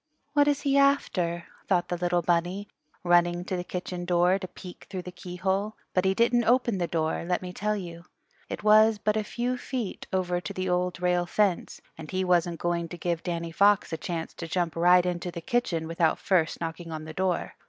"What is he after?" thought the little bunny, running to the kitchen door to peek through the keyhole. But he didn't open the door, let me tell you. It was but a few feet over to the Old Rail Fence, and he wasn't going to give Danny Fox a chance to jump right into the kitchen without first knocking on the door.